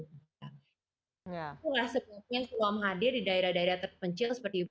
itu adalah sebuah penyakit yang belum hadir di daerah daerah terpencil seperti